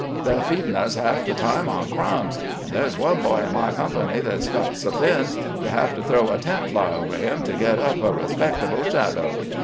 They 're f eedin' us half the time on crumbs, and thah 's one boy in my company that 's got so thin you have to throw a tent fly over him to get up a re spectable shadow.